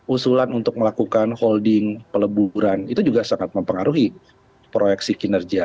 usulan untuk melakukan holding peleburan itu juga sangat mempengaruhi proyeksi kinerja